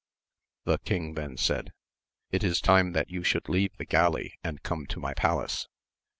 The king then said. It is time that you should leave the galley and come to my palace.